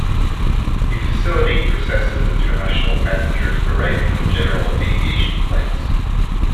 The facility processes international passengers arriving on general aviation flights.